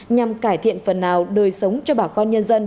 nhằm cải thiện phần nào đời sống cho bà con nhân dân